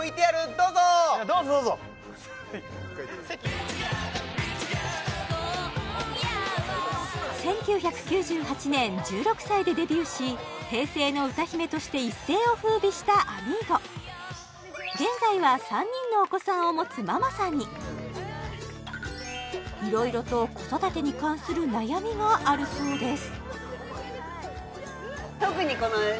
どうぞどうぞ１９９８年１６歳でデビューし平成の歌姫として一世をふうびしたあみゴ現在はいろいろと子育てに関する悩みがあるそうです